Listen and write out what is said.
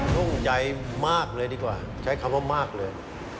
่งใจมากเลยดีกว่าใช้คำว่ามากเลย